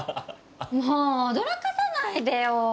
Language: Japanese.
もう驚かさないでよ。